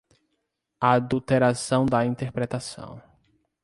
Adulteração da interpretação